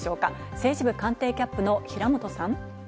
政治部官邸キャップの平本さん。